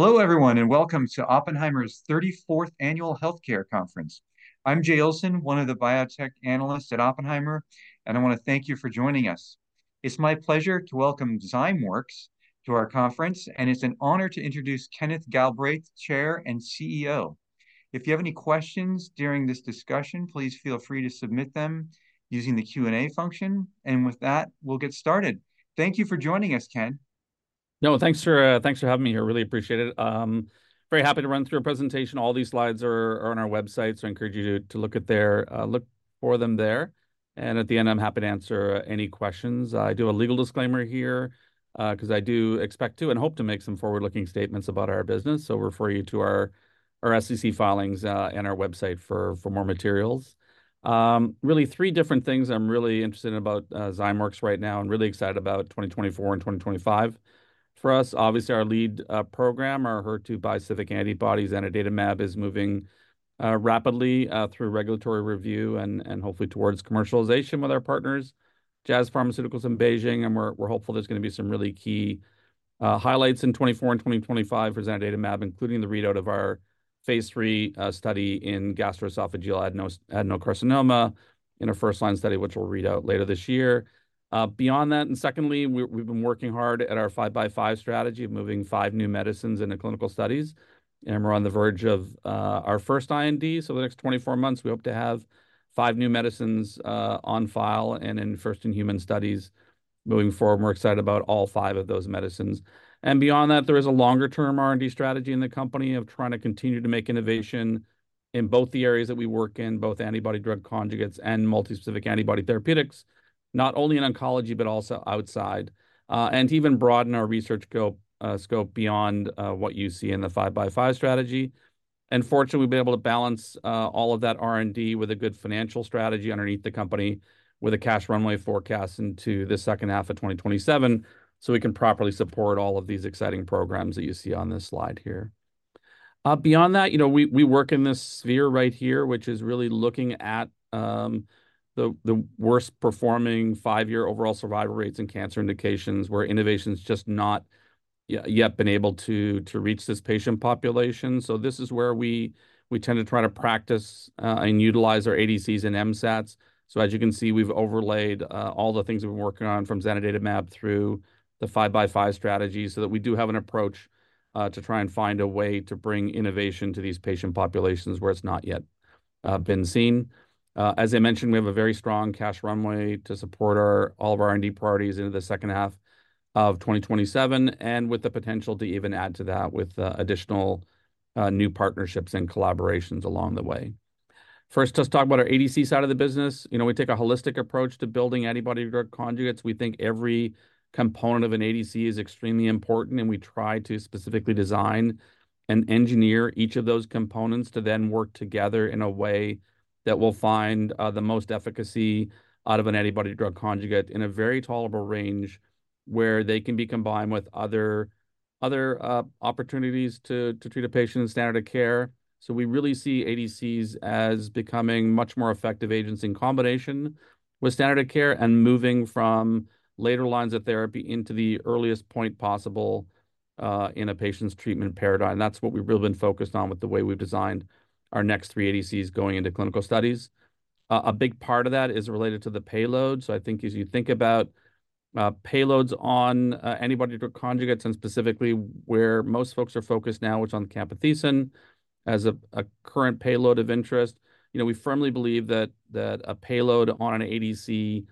Hello everyone, and welcome to Oppenheimer's 34th Annual Healthcare Conference. I'm Jay Olson, one of the biotech analysts at Oppenheimer, and I want to thank you for joining us. It's my pleasure to welcome Zymeworks to our conference, and it's an honor to introduce Kenneth Galbraith, Chair and CEO. If you have any questions during this discussion, please feel free to submit them using the Q&A function, and with that we'll get started. Thank you for joining us, Ken. No, thanks for having me here. Really appreciate it. Very happy to run through a presentation. All these slides are on our website, so I encourage you to look for them there. At the end I'm happy to answer any questions. I do a legal disclaimer here, because I do expect to and hope to make some forward-looking statements about our business, so we're referring you to our SEC filings and our website for more materials. Really three different things I'm really interested in about Zymeworks right now and really excited about 2024 and 2025. For us, obviously our lead program, our HER2 bispecific antibody zanidatamab is moving rapidly through regulatory review and hopefully towards commercialization with our partners, Jazz Pharmaceuticals and BeiGene, and we're hopeful there's going to be some really key highlights in 2024 and 2025 for zanidatamab, including the readout of our phase 3 study in gastroesophageal adenocarcinoma in our first-line study, which we'll read out later this year. Beyond that, secondly, we've been working hard at our 5 by 5 strategy of moving five new medicines into clinical studies. We're on the verge of our first IND, so the next 24 months we hope to have five new medicines on file and in first-in-human studies. Moving forward, we're excited about all five of those medicines. Beyond that, there is a longer-term R&D strategy in the company of trying to continue to make innovation in both the areas that we work in, both antibody-drug conjugates and multispecific antibody therapeutics, not only in oncology but also outside, and to even broaden our research scope beyond what you see in the 5 by 5 strategy. And fortunately we've been able to balance all of that R&D with a good financial strategy underneath the company with a cash runway forecast into the second half of 2027, so we can properly support all of these exciting programs that you see on this slide here. Beyond that, we work in this sphere right here, which is really looking at the worst performing five-year overall survival rates and cancer indications, where innovation's just not yet been able to reach this patient population. So this is where we tend to try to practice and utilize our ADCs and MSATs. So as you can see, we've overlaid all the things we've been working on from zanidatamab through the 5 by 5 strategy so that we do have an approach to try and find a way to bring innovation to these patient populations where it's not yet been seen. As I mentioned, we have a very strong cash runway to support all of our R&D priorities into the second half of 2027, and with the potential to even add to that with additional new partnerships and collaborations along the way. First, let's talk about our ADC side of the business. We take a holistic approach to building antibody-drug conjugates. We think every component of an ADC is extremely important, and we try to specifically design and engineer each of those components to then work together in a way that will find the most efficacy out of an antibody-drug conjugate in a very tolerable range where they can be combined with other opportunities to treat a patient in standard of care. So we really see ADCs as becoming much more effective agents in combination with standard of care and moving from later lines of therapy into the earliest point possible in a patient's treatment paradigm. That's what we've really been focused on with the way we've designed our next three ADCs going into clinical studies. A big part of that is related to the payload. So I think as you think about payloads on antibody-drug conjugates and specifically where most folks are focused now, which is on the camptothecin as a current payload of interest, we firmly believe that a payload on an ADC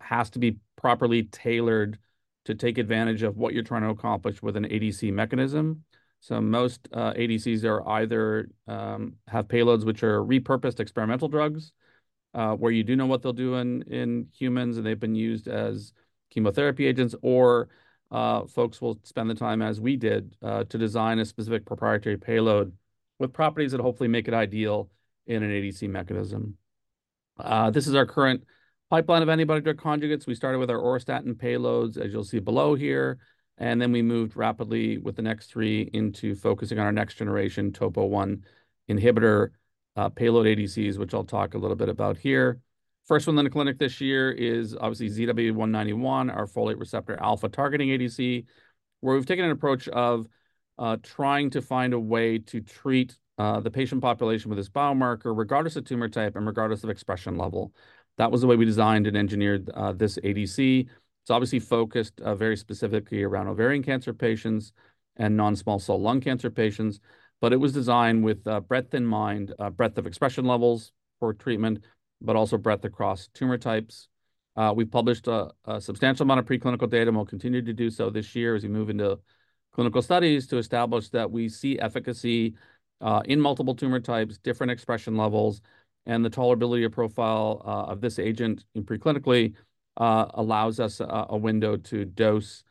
has to be properly tailored to take advantage of what you're trying to accomplish with an ADC mechanism. So most ADCs are either have payloads which are repurposed experimental drugs, where you do know what they'll do in humans and they've been used as chemotherapy agents, or folks will spend the time as we did to design a specific proprietary payload with properties that hopefully make it ideal in an ADC mechanism. This is our current pipeline of antibody-drug conjugates. We started with our auristatin payloads, as you'll see below here, and then we moved rapidly with the next three into focusing on our next generation Topo-1 inhibitor payload ADCs, which I'll talk a little bit about here. First one in the clinic this year is obviously ZW191, our folate receptor alpha targeting ADC, where we've taken an approach of trying to find a way to treat the patient population with this biomarker regardless of tumor type and regardless of expression level. That was the way we designed and engineered this ADC. It's obviously focused very specifically around ovarian cancer patients and non-small cell lung cancer patients, but it was designed with breadth in mind, breadth of expression levels for treatment, but also breadth across tumor types. We've published a substantial amount of preclinical data and we'll continue to do so this year as we move into clinical studies to establish that we see efficacy in multiple tumor types, different expression levels, and the tolerability profile of this agent preclinically allows us a window to dose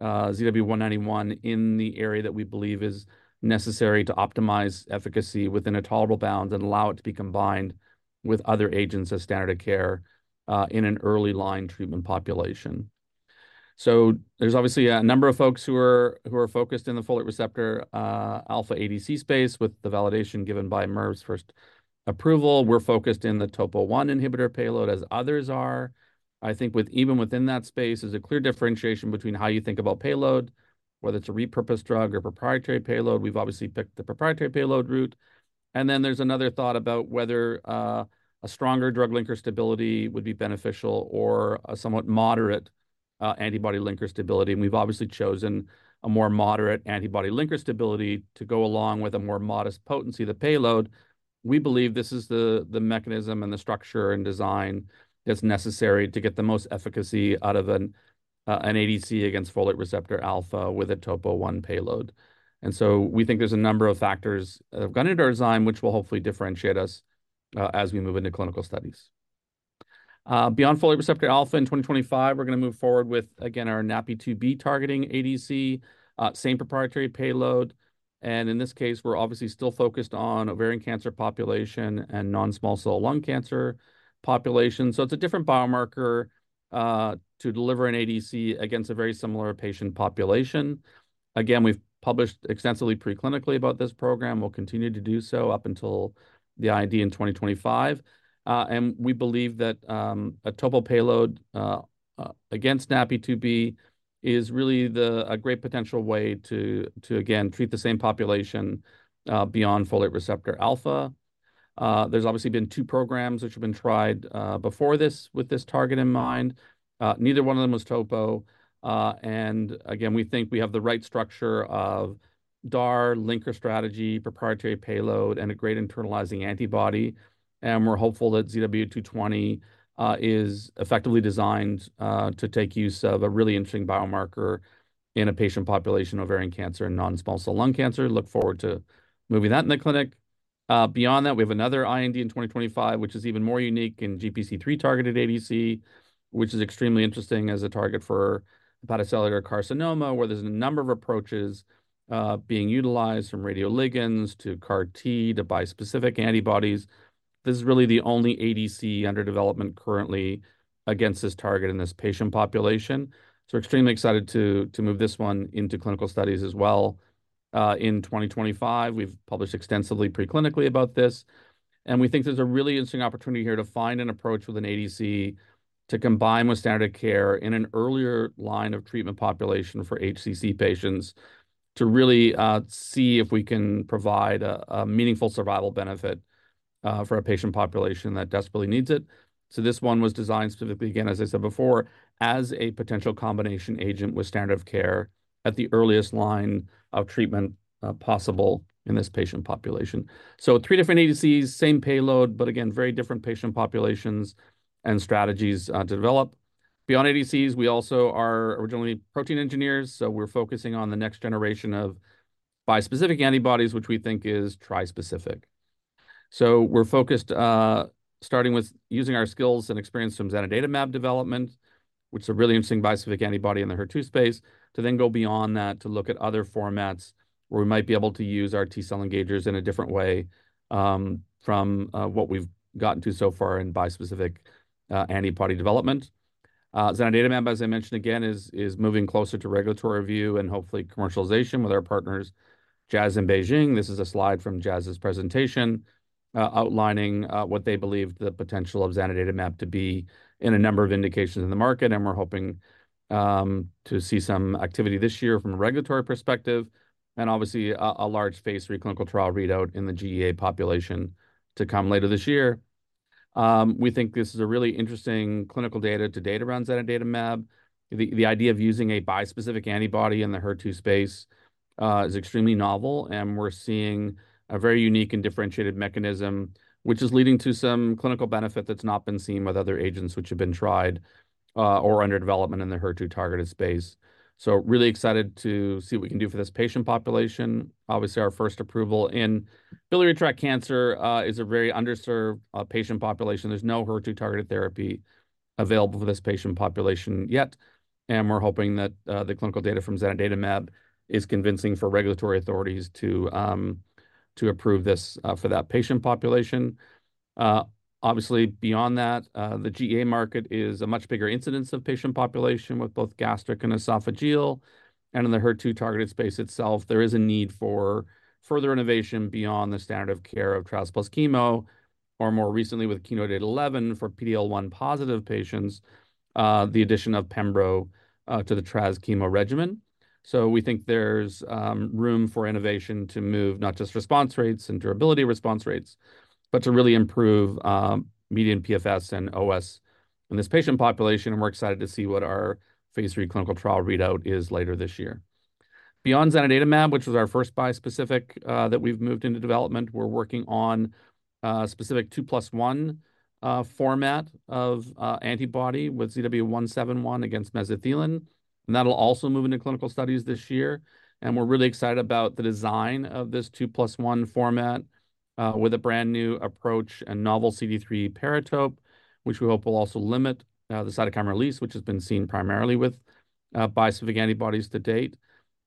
ZW191 in the area that we believe is necessary to optimize efficacy within a tolerable bound and allow it to be combined with other agents as standard of care in an early line treatment population. So there's obviously a number of folks who are focused in the folate receptor alpha ADC space with the validation given by Mirv's first approval. We're focused in the Topo-1 inhibitor payload as others are. I think even within that space is a clear differentiation between how you think about payload, whether it's a repurposed drug or proprietary payload. We've obviously picked the proprietary payload route. And then there's another thought about whether a stronger drug linker stability would be beneficial or a somewhat moderate antibody linker stability. And we've obviously chosen a more moderate antibody linker stability to go along with a more modest potency of the payload. We believe this is the mechanism and the structure and design that's necessary to get the most efficacy out of an ADC against folate receptor alpha with a Topo-1 payload. And so we think there's a number of factors that have gone into our design, which will hopefully differentiate us as we move into clinical studies. Beyond folate receptor alpha in 2025, we're going to move forward with, again, our NaPi2b targeting ADC, same proprietary payload. And in this case, we're obviously still focused on ovarian cancer population and non-small cell lung cancer population. So it's a different biomarker to deliver an ADC against a very similar patient population. Again, we've published extensively preclinically about this program. We'll continue to do so up until the IND in 2025. And we believe that a TOPO payload against NaPi2b is really a great potential way to, again, treat the same population beyond folate receptor alpha. There's obviously been two programs which have been tried before this with this target in mind. Neither one of them was TOPO. And again, we think we have the right structure of DAR linker strategy, proprietary payload, and a great internalizing antibody. And we're hopeful that ZW220 is effectively designed to take use of a really interesting biomarker in a patient population, ovarian cancer and non-small cell lung cancer. Look forward to moving that in the clinic. Beyond that, we have another IND in 2025, which is even more unique in GPC3-targeted ADC, which is extremely interesting as a target for hepatocellular carcinoma, where there's a number of approaches being utilized from radioligands to CAR-T to bispecific antibodies. This is really the only ADC under development currently against this target in this patient population. So we're extremely excited to move this one into clinical studies as well in 2025. We've published extensively preclinically about this. And we think there's a really interesting opportunity here to find an approach with an ADC to combine with standard of care in an earlier line of treatment population for HCC patients to really see if we can provide a meaningful survival benefit for a patient population that desperately needs it. So this one was designed specifically, again, as I said before, as a potential combination agent with standard of care at the earliest line of treatment possible in this patient population. So three different ADCs, same payload, but again, very different patient populations and strategies to develop. Beyond ADCs, we also are originally protein engineers, so we're focusing on the next generation of bispecific antibodies, which we think is trispecific. So we're focused starting with using our skills and experience from zanidatamab development, which is a really interesting bispecific antibody in the HER2 space, to then go beyond that to look at other formats where we might be able to use our T-cell engagers in a different way from what we've gotten to so far in bispecific antibody development. Zanidatamab, as I mentioned, again, is moving closer to regulatory review and hopefully commercialization with our partners, Jazz and BeiGene. This is a slide from Jazz's presentation outlining what they believe the potential of zanidatamab to be in a number of indications in the market, and we're hoping to see some activity this year from a regulatory perspective, and obviously a large phase three clinical trial readout in the GEA population to come later this year. We think this is a really interesting clinical data to date around zanidatamab. The idea of using a bispecific antibody in the HER2 space is extremely novel, and we're seeing a very unique and differentiated mechanism, which is leading to some clinical benefit that's not been seen with other agents which have been tried or under development in the HER2 targeted space. So really excited to see what we can do for this patient population. Obviously, our first approval in biliary tract cancer is a very underserved patient population. There's no HER2 targeted therapy available for this patient population yet. And we're hoping that the clinical data from zanidatamab is convincing for regulatory authorities to approve this for that patient population. Obviously, beyond that, the GEA market is a much bigger incidence of patient population with both gastric and esophageal. And in the HER2 targeted space itself, there is a need for further innovation beyond the standard of care of Traz plus chemo, or more recently with KEYNOTE-811 for PD-L1 positive patients, the addition of pembrolizumab to the Traz chemo regimen. So we think there's room for innovation to move not just response rates and durability response rates, but to really improve median PFS and OS in this patient population, and we're excited to see what our phase 3 clinical trial readout is later this year. Beyond zanidatamab, which was our first bispecific that we've moved into development, we're working on a specific 2+1 format of antibody with ZW171 against mesothelin. And that'll also move into clinical studies this year. And we're really excited about the design of this 2+1 format with a brand new approach and novel CD3 paratope, which we hope will also limit the cytokine release, which has been seen primarily with bispecific antibodies to date.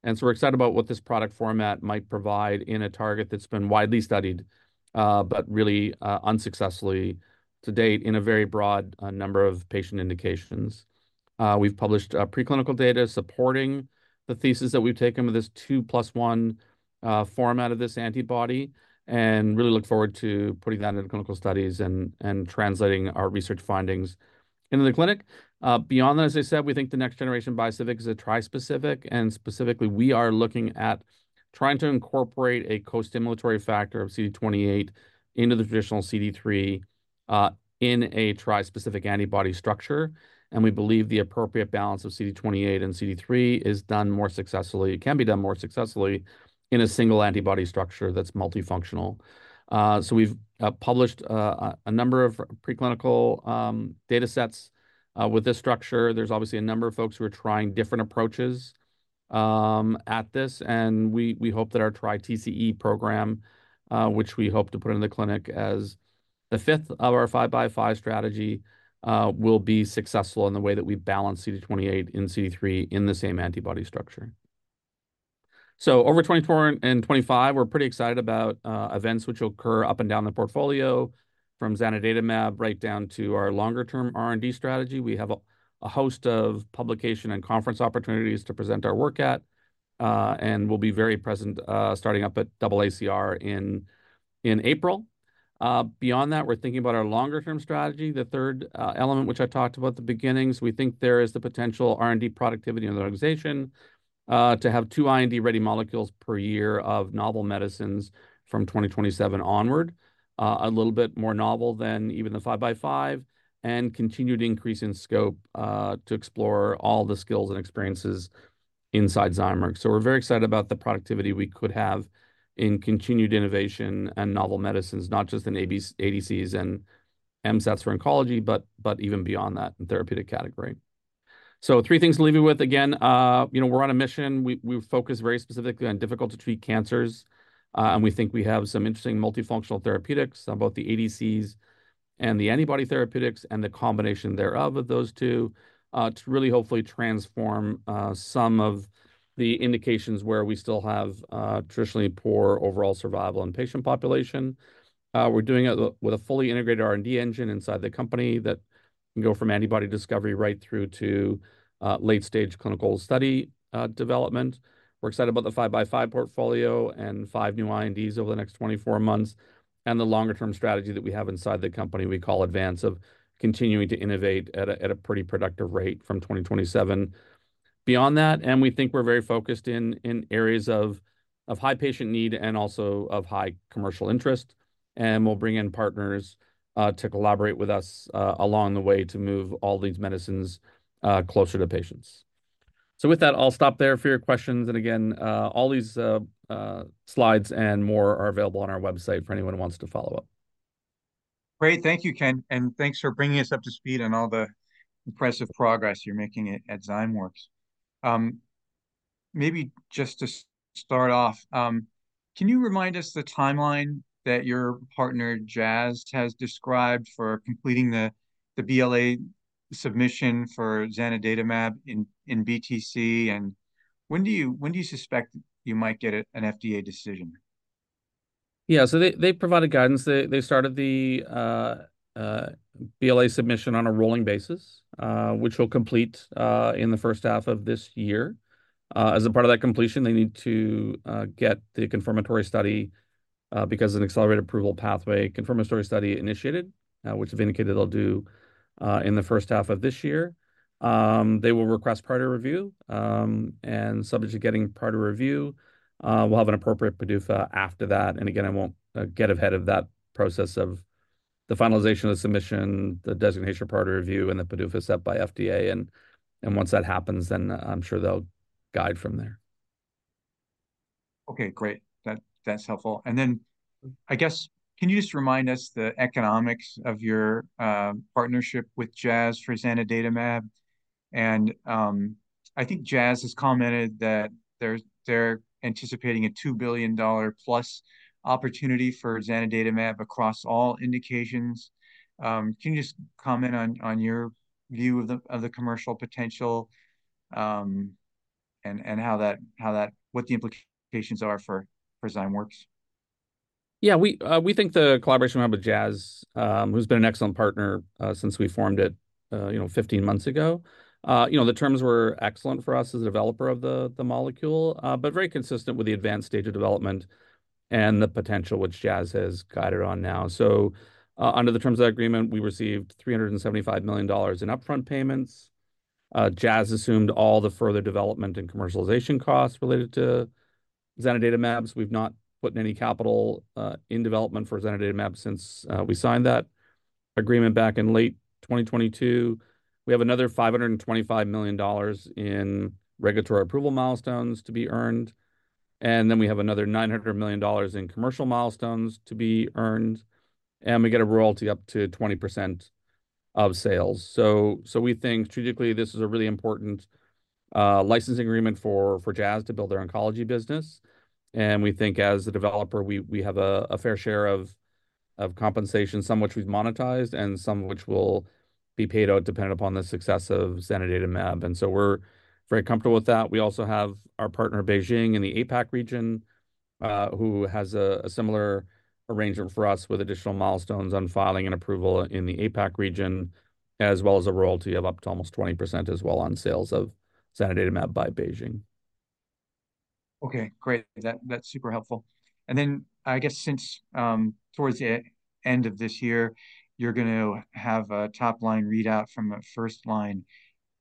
So we're excited about what this product format might provide in a target that's been widely studied, but really unsuccessfully to date in a very broad number of patient indications. We've published preclinical data supporting the thesis that we've taken with this 2+1 format of this antibody and really look forward to putting that into clinical studies and translating our research findings into the clinic. Beyond that, as I said, we think the next generation bispecific is a trispecific, and specifically we are looking at trying to incorporate a co-stimulatory factor of CD28 into the traditional CD3 in a trispecific antibody structure. And we believe the appropriate balance of CD28 and CD3 is done more successfully. It can be done more successfully in a single antibody structure that's multifunctional. So we've published a number of preclinical data sets with this structure. There's obviously a number of folks who are trying different approaches at this, and we hope that our TriTCE program, which we hope to put into the clinic as the fifth of our five by five strategy, will be successful in the way that we balance CD28 and CD3 in the same antibody structure. So over 2024 and 2025, we're pretty excited about events which will occur up and down the portfolio from zanidatamab right down to our longer term R&D strategy. We have a host of publication and conference opportunities to present our work at, and we'll be very present starting up at AACR in April. Beyond that, we're thinking about our longer term strategy, the third element which I talked about at the beginning. We think there is the potential R&D productivity in the organization to have 2 IND-ready molecules per year of novel medicines from 2027 onward, a little bit more novel than even the 5 by 5, and continue to increase in scope to explore all the skills and experiences inside Zymeworks. So we're very excited about the productivity we could have in continued innovation and novel medicines, not just in ADCs and MSATs for oncology, but even beyond that in therapeutic category. So 3 things to leave you with. Again, we're on a mission. We focus very specifically on difficult to treat cancers, and we think we have some interesting multifunctional therapeutics on both the ADCs and the antibody therapeutics and the combination thereof of those two to really hopefully transform some of the indications where we still have traditionally poor overall survival in patient population. We're doing it with a fully integrated R&D engine inside the company that can go from antibody discovery right through to late stage clinical study development. We're excited about the 5 by 5 portfolio and 5 new INDs over the next 24 months and the longer term strategy that we have inside the company. We call advance of continuing to innovate at a pretty productive rate from 2027. Beyond that, we think we're very focused in areas of high patient need and also of high commercial interest. We'll bring in partners to collaborate with us along the way to move all these medicines closer to patients. So with that, I'll stop there for your questions. Again, all these slides and more are available on our website for anyone who wants to follow up. Great. Thank you, Ken. And thanks for bringing us up to speed on all the impressive progress you're making at Zymeworks. Maybe just to start off, can you remind us the timeline that your partner Jazz has described for completing the BLA submission for zanidatamab in BTC? And when do you suspect you might get an FDA decision? Yeah. So they provided guidance. They started the BLA submission on a rolling basis, which will complete in the first half of this year. As a part of that completion, they need to get the confirmatory study because of an accelerated approval pathway, confirmatory study initiated, which have indicated they'll do in the first half of this year. They will request prior review. Subject to getting prior review, we'll have an appropriate PDUFA after that. Again, I won't get ahead of that process of the finalization of the submission, the designation prior review, and the PDUFA set by FDA. Once that happens, then I'm sure they'll guide from there. Okay. Great. That's helpful. I guess, can you just remind us the economics of your partnership with Jazz for zanidatamab? And I think Jazz has commented that they're anticipating a $2 billion plus opportunity for zanidatamab across all indications. Can you just comment on your view of the commercial potential and what the implications are for Zymeworks? Yeah. We think the collaboration we have with Jazz, who's been an excellent partner since we formed it 15 months ago, the terms were excellent for us as a developer of the molecule, but very consistent with the advanced stage of development and the potential which Jazz has guided on now. So under the terms of that agreement, we received $375 million in upfront payments. Jazz assumed all the further development and commercialization costs related to zanidatamab. We've not put any capital in development for zanidatamab since we signed that agreement back in late 2022. We have another $525 million in regulatory approval milestones to be earned. And then we have another $900 million in commercial milestones to be earned. And we get a royalty up to 20% of sales. So we think strategically, this is a really important licensing agreement for Jazz to build their oncology business. And we think as a developer, we have a fair share of compensation, some which we've monetized and some which will be paid out dependent upon the success of zanidatamab. And so we're very comfortable with that. We also have our partner BeiGene in the APAC region who has a similar arrangement for us with additional milestones on filing and approval in the APAC region, as well as a royalty of up to almost 20% as well on sales of zanidatamab by BeiGene. Okay. Great. That's super helpful. And then I guess since towards the end of this year, you're going to have a top line readout from a first line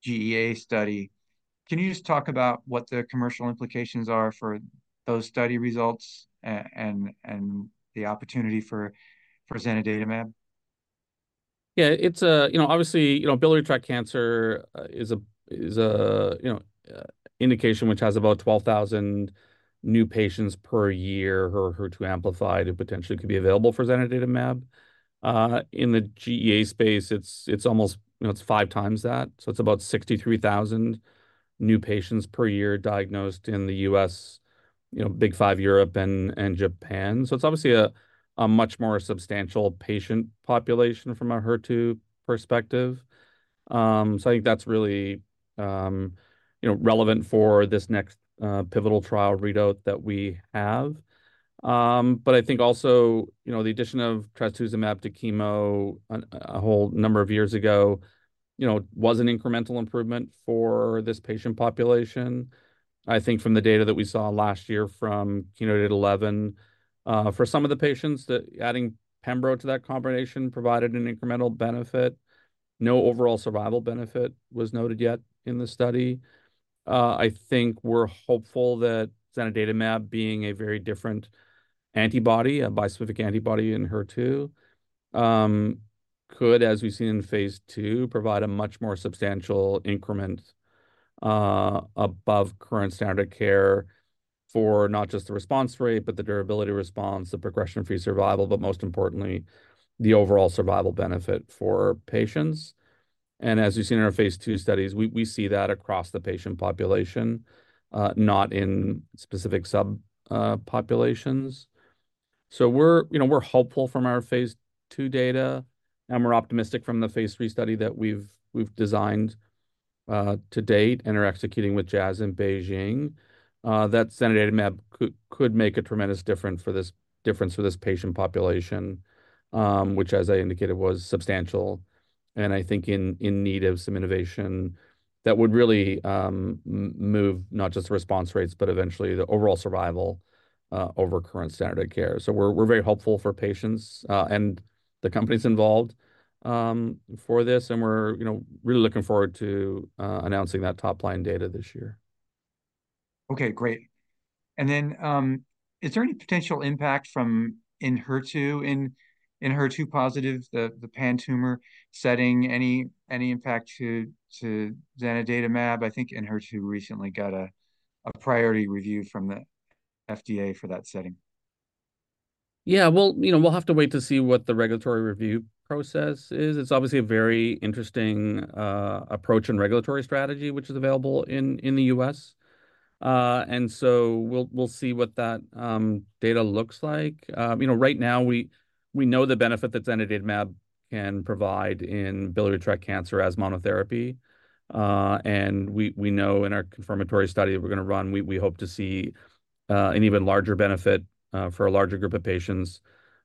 GEA study. Can you just talk about what the commercial implications are for those study results and the opportunity for zanidatamab? Yeah. Obviously, biliary tract cancer is an indication which has about 12,000 new patients per year who are HER2-amplified who potentially could be available for zanidatamab. In the GEA space, it's almost five times that. So it's about 63,000 new patients per year diagnosed in the US, EU5, Europe, and Japan. So it's obviously a much more substantial patient population from a HER2 perspective. So I think that's really relevant for this next pivotal trial readout that we have. But I think also the addition of trastuzumab to chemo a whole number of years ago was an incremental improvement for this patient population. I think from the data that we saw last year from KEYNOTE-811, for some of the patients, adding pembro to that combination provided an incremental benefit. No overall survival benefit was noted yet in the study. I think we're hopeful that zanidatamab being a very different antibody, a bispecific antibody in HER2, could, as we've seen in phase II, provide a much more substantial increment above current standard of care for not just the response rate, but the durability response, the progression-free survival, but most importantly, the overall survival benefit for patients. And as we've seen in our phase II studies, we see that across the patient population, not in specific subpopulations. So we're hopeful from our phase II data, and we're optimistic from the phase 3 study that we've designed to date and are executing with Jazz in BeiGene that zanidatamab could make a tremendous difference for this patient population, which, as I indicated, was substantial and I think in need of some innovation that would really move not just the response rates, but eventually the overall survival over current standard of care. So we're very hopeful for patients and the companies involved for this. And we're really looking forward to announcing that top line data this year. Okay. Great. And then is there any potential impact in HER2-positive, the pan-tumor setting, any impact to zanidatamab? I think Zymeworks recently got a priority review from the FDA for that setting. Yeah. Well, we'll have to wait to see what the regulatory review process is. It's obviously a very interesting approach and regulatory strategy, which is available in the U.S. And so we'll see what that data looks like. Right now, we know the benefit that zanidatamab can provide in biliary tract cancer as monotherapy. And we know in our confirmatory study that we're going to run, we hope to see an even larger benefit for a larger group of patients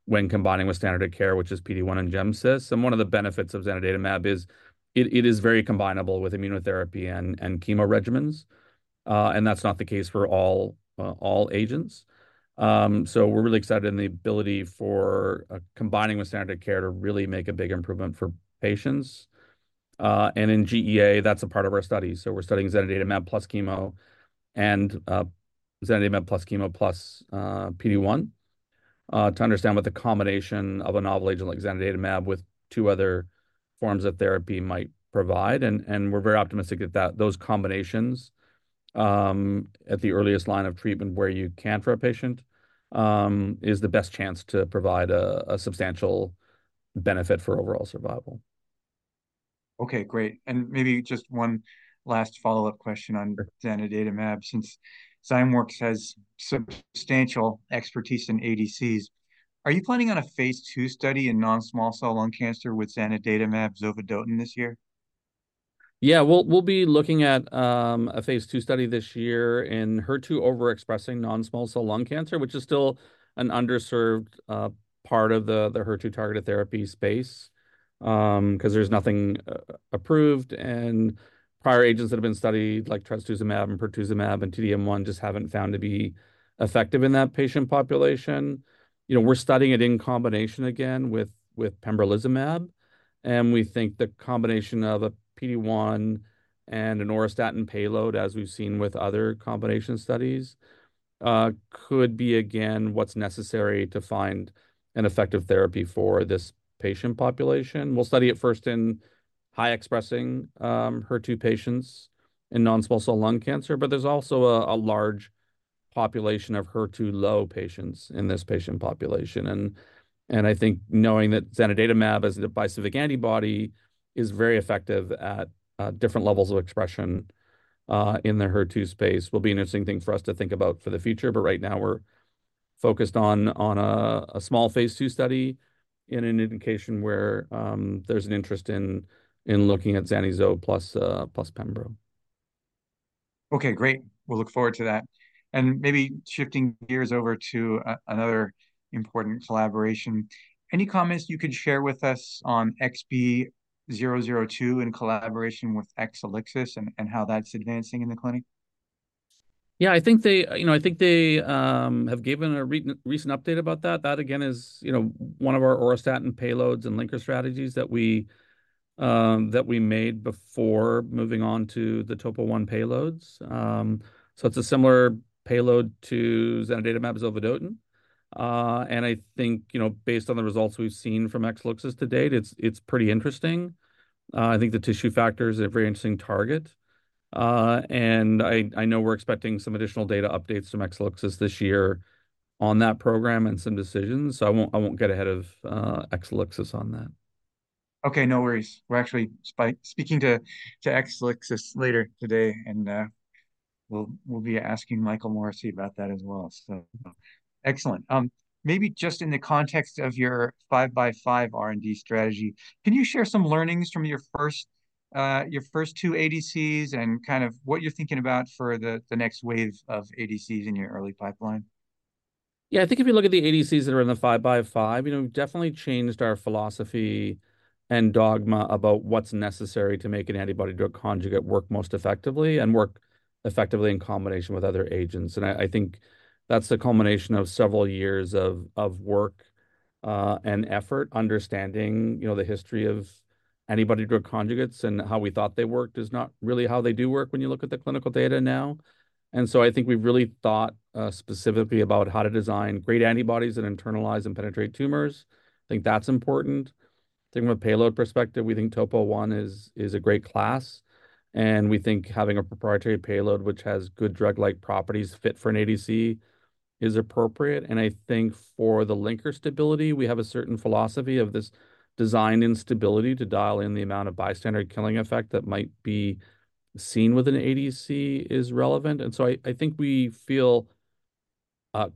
when combining with standard of care, which is PD-1 and GemCis. And one of the benefits of zanidatamab is it is very combinable with immunotherapy and chemo regimens. And that's not the case for all agents. So we're really excited in the ability for combining with standard of care to really make a big improvement for patients. And in GEA, that's a part of our study. So we're studying zanidatamab plus chemo and zanidatamab plus chemo plus PD-1 to understand what the combination of a novel agent like zanidatamab with two other forms of therapy might provide. And we're very optimistic that those combinations at the earliest line of treatment where you can for a patient is the best chance to provide a substantial benefit for overall survival. Okay. Great. And maybe just one last follow-up question on zanidatamab since Zymeworks has substantial expertise in ADCs. Are you planning on a phase II study in non-small cell lung cancer with zanidatamab zovodotin, this year? Yeah. We'll be looking at a phase II study this year in HER2 overexpressing non-small cell lung cancer, which is still an underserved part of the HER2 targeted therapy space because there's nothing approved. Prior agents that have been studied like trastuzumab and pertuzumab and T-DM1 just haven't found to be effective in that patient population. We're studying it in combination again with pembrolizumab. We think the combination of a PD-1 and an auristatin payload, as we've seen with other combination studies, could be again what's necessary to find an effective therapy for this patient population. We'll study it first in high-expressing HER2 patients in non-small cell lung cancer, but there's also a large population of HER2 low patients in this patient population. I think knowing that zanidatamab as a bispecific antibody is very effective at different levels of expression in the HER2 space will be an interesting thing for us to think about for the future. But right now, we're focused on a small phase II study in an indication where there's an interest in looking at zanidatamab plus pembro. Okay. Great. We'll look forward to that. And maybe shifting gears over to another important collaboration. Any comments you could share with us on XB002 in collaboration with Exelixis and how that's advancing in the clinic? Yeah. I think they have given a recent update about that. That, again, is one of our auristatin payloads and linker strategies that we made before moving on to the Topo-1 payloads. So it's a similar payload to zanidatamab zovodotin. And I think based on the results we've seen from Exelixis to date, it's pretty interesting. I think the tissue factors are a very interesting target. And I know we're expecting some additional data updates from Exelixis this year on that program and some decisions. So I won't get ahead of Exelixis on that. Okay. No worries. We're actually speaking to Exelixis later today. We'll be asking Michael Morrissey about that as well. Excellent. Maybe just in the context of your five-by-five R&D strategy, can you share some learnings from your first two ADCs and kind of what you're thinking about for the next wave of ADCs in your early pipeline? Yeah. I think if you look at the ADCs that are in the 5-by-5, we've definitely changed our philosophy and dogma about what's necessary to make an antibody-drug conjugate work most effectively and work effectively in combination with other agents. I think that's the culmination of several years of work and effort. Understanding the history of antibody-drug conjugates and how we thought they worked is not really how they do work when you look at the clinical data now. So I think we've really thought specifically about how to design great antibodies that internalize and penetrate tumors. I think that's important. Thinking from a payload perspective, we think Topo-1 is a great class. And we think having a proprietary payload, which has good drug-like properties fit for an ADC, is appropriate. I think for the linker stability, we have a certain philosophy of this design instability to dial in the amount of bystander killing effect that might be seen with an ADC is relevant. So I think we feel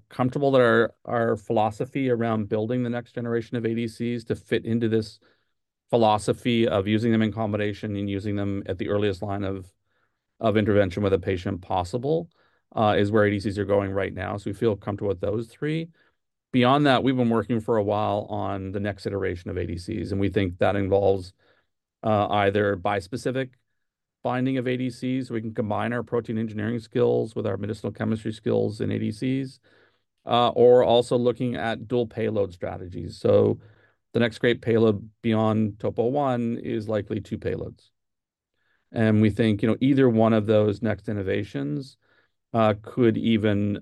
comfortable that our philosophy around building the next generation of ADCs to fit into this philosophy of using them in combination and using them at the earliest line of intervention with a patient possible is where ADCs are going right now. So we feel comfortable with those three. Beyond that, we've been working for a while on the next iteration of ADCs. We think that involves either bispecific binding of ADCs, where we can combine our protein engineering skills with our medicinal chemistry skills in ADCs, or also looking at dual payload strategies. So the next great payload beyond Topo-1 is likely two payloads. We think either one of those next innovations could even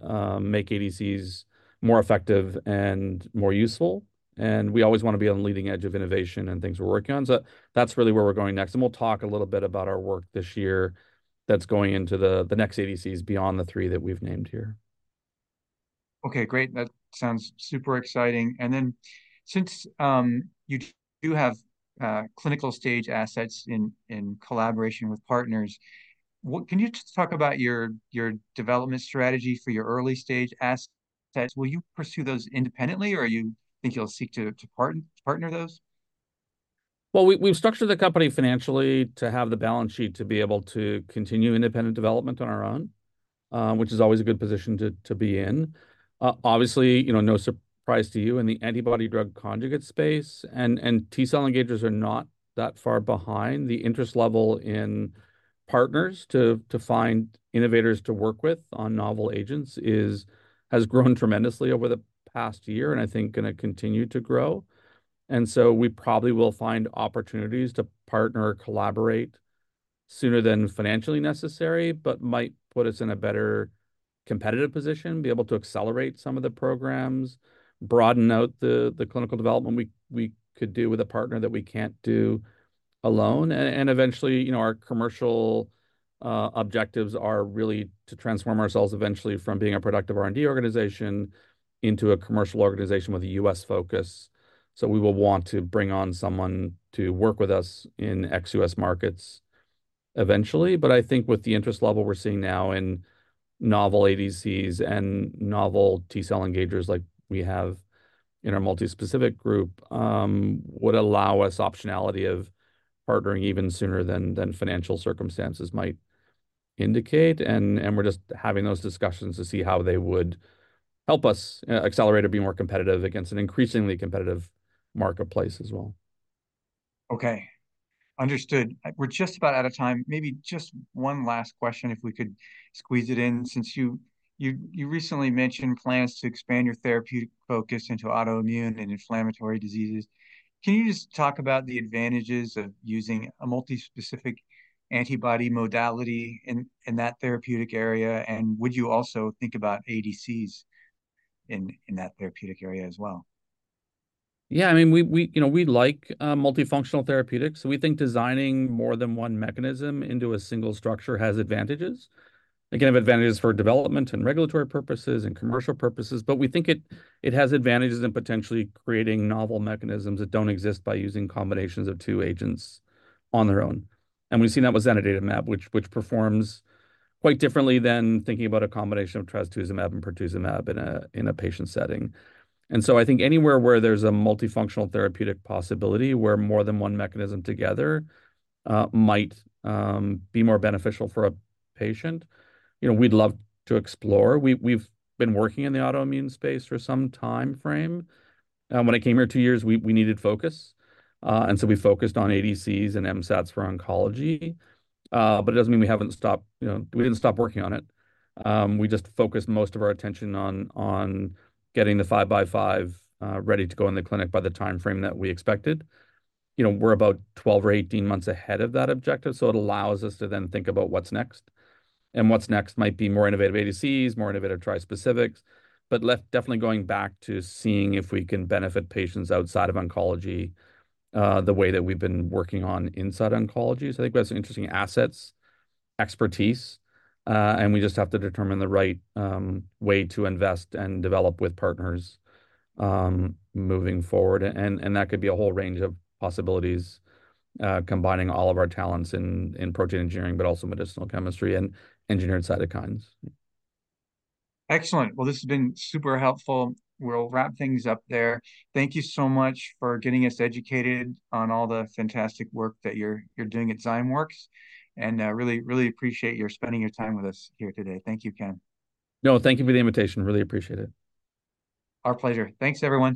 make ADCs more effective and more useful. We always want to be on the leading edge of innovation and things we're working on. That's really where we're going next. We'll talk a little bit about our work this year that's going into the next ADCs beyond the three that we've named here. Okay. Great. That sounds super exciting. And then since you do have clinical stage assets in collaboration with partners, can you just talk about your development strategy for your early stage assets? Will you pursue those independently, or do you think you'll seek to partner those? Well, we've structured the company financially to have the balance sheet to be able to continue independent development on our own, which is always a good position to be in. Obviously, no surprise to you in the antibody-drug conjugate space. T-cell engagers are not that far behind. The interest level in partners to find innovators to work with on novel agents has grown tremendously over the past year and I think going to continue to grow. And so we probably will find opportunities to partner or collaborate sooner than financially necessary, but might put us in a better competitive position, be able to accelerate some of the programs, broaden out the clinical development we could do with a partner that we can't do alone. And eventually, our commercial objectives are really to transform ourselves eventually from being a productive R&D organization into a commercial organization with a U.S. focus. So we will want to bring on someone to work with us in ex-US markets eventually. But I think with the interest level we're seeing now in novel ADCs and novel T-cell engagers like we have in our multispecific group would allow us optionality of partnering even sooner than financial circumstances might indicate. And we're just having those discussions to see how they would help us accelerate or be more competitive against an increasingly competitive marketplace as well. Okay. Understood. We're just about out of time. Maybe just one last question if we could squeeze it in. Since you recently mentioned plans to expand your therapeutic focus into autoimmune and inflammatory diseases, can you just talk about the advantages of using a multispecific antibody modality in that therapeutic area? And would you also think about ADCs in that therapeutic area as well? Yeah. I mean, we like multifunctional therapeutics. We think designing more than one mechanism into a single structure has advantages. Again, it has advantages for development and regulatory purposes and commercial purposes. But we think it has advantages in potentially creating novel mechanisms that don't exist by using combinations of two agents on their own. And we've seen that with zanidatamab, which performs quite differently than thinking about a combination of trastuzumab and pertuzumab in a patient setting. And so I think anywhere where there's a multifunctional therapeutic possibility, where more than one mechanism together might be more beneficial for a patient, we'd love to explore. We've been working in the autoimmune space for some time frame. When I came here two years, we needed focus. And so we focused on ADCs and MSATs for oncology. But it doesn't mean we haven't stopped. We didn't stop working on it. We just focused most of our attention on getting the 5 by 5 ready to go in the clinic by the time frame that we expected. We're about 12 or 18 months ahead of that objective. So it allows us to then think about what's next. And what's next might be more innovative ADCs, more innovative trispecifics, but definitely going back to seeing if we can benefit patients outside of oncology the way that we've been working on inside oncology. So I think we have some interesting assets, expertise, and we just have to determine the right way to invest and develop with partners moving forward. And that could be a whole range of possibilities combining all of our talents in protein engineering, but also medicinal chemistry and engineered cytokines. Excellent. Well, this has been super helpful. We'll wrap things up there. Thank you so much for getting us educated on all the fantastic work that you're doing at Zymeworks. And really, really appreciate your spending your time with us here today. Thank you, Ken. No, thank you for the invitation. Really appreciate it. Our pleasure. Thanks, everyone.